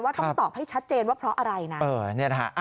ต้องตอบให้ชัดเจนว่าเพราะอะไรนะ